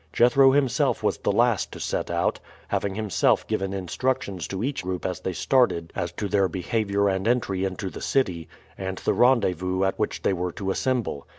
Jethro himself was the last to set out, having himself given instructions to each group as they started as to their behavior and entry into the city, and the rendezvous at which they were to assemble.